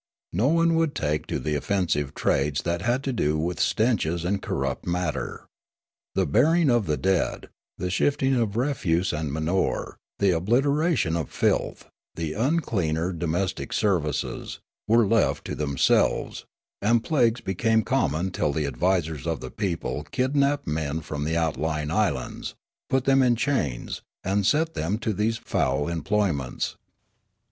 None would take to the offensive trades that had to do with stenches and corrupt matter. The burying of the dead, the shifting of refuse and manure, the obliteration of filth, the un cleaner domestic services, were left to themselves, and plagues became common till the advisers of the people kidnapped men from outlying islands, put them in chains, and set them to these foul employments.